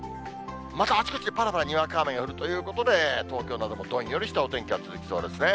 またあちこちでぱらぱらにわか雨が降るということで、東京などもどんよりしたお天気が続きそうですね。